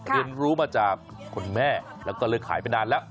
เรียนรู้มาจากคุณแม่แล้วก็เลยขายไปนานแล้ว